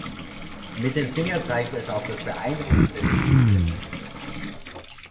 Mit dem Finger zeigt es auf das beeindruckende Vehikel.